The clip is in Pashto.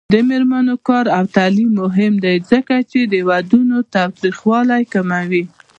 د میرمنو کار او تعلیم مهم دی ځکه چې ودونو تاوتریخوالي کموي.